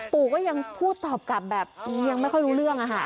ปู่ก็ยังพูดตอบกลับแบบยังไม่ค่อยรู้เรื่องอะค่ะ